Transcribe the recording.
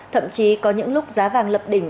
thậm chí có những lúc giá vàng lập đỉnh